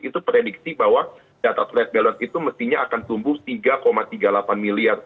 itu prediksi bahwa data trade balance itu mestinya akan tumbuh tiga tiga puluh delapan miliar